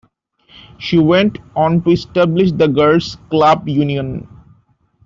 She went on to establish the Girls Club Union.